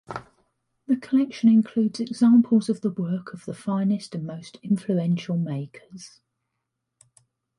The collection includes examples of the work of the finest and most influential makers.